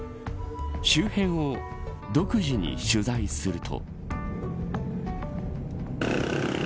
周辺を独自に取材すると。